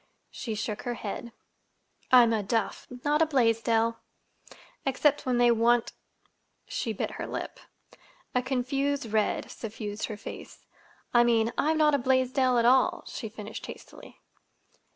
She shook her head. "I'm a Duff, not a Blaisdell—except when they want—" She bit her lip. A confused red suffused her face. "I mean, I'm not a Blaisdell at all," she finished hastily.